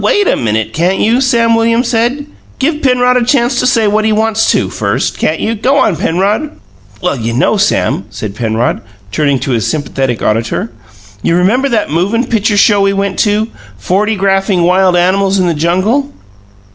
"Well, wait a minute, can't you?" Sam Williams said. "Give Penrod a chance to say what he wants to, first, can't you? Go on, Penrod." "Well, you know, Sam," said Penrod, turning to this sympathetic auditor; "you remember that movin' pitcher show we went to, 'Fortygraphing Wild Animals in the Jungle'.